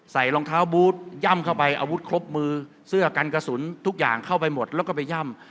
รองเท้าบูธย่ำเข้าไปอาวุธครบมือเสื้อกันกระสุนทุกอย่างเข้าไปหมดแล้วก็ไปย่ำ